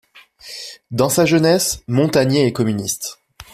Dans sa jeunesse, Montagnier est communiste.